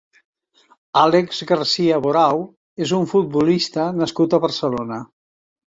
Àlex Garcia Borau és un futbolista nascut a Barcelona.